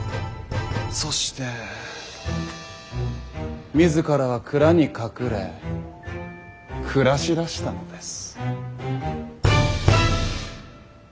そして自らは蔵に隠れ暮らしだしたのです。